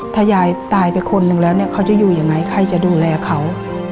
ถ้ายายตายไปคนนึงแล้วเนี่ยเขาจะอยู่ยังไงใครจะดูแลเขา